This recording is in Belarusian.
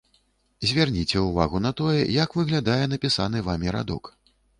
Звярніце ўвагу на тое, як выглядае напісаны вамі радок.